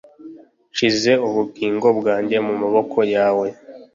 Nshyize ubugingo bwanjye mu maboko yawe